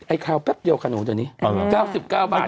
ไอ้คราวแป๊บเดียวกับหนูตอนนี้๙๙บาทครับ